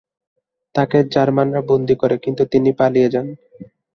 তাকে জার্মানরা বন্দী করে, কিন্তু তিনি পালিয়ে যান।